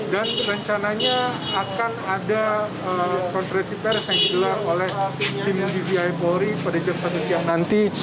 dan rencananya akan ada kontrasiparis yang diulang oleh tim dgnri pada jam satu siang nanti